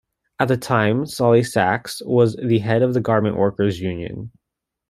At the time Solly Sachs was the head of the Garment Workers' Union.